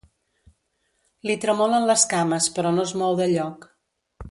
Li tremolen les cames però no es mou de lloc.